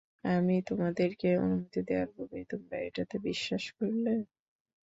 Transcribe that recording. আমি তোমাদেরকে অনুমতি দেয়ার পূর্বেই তোমরা এটাতে বিশ্বাস করলে?